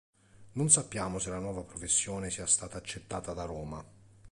Non sappiamo se la nuova professione sia stata accettata da Roma.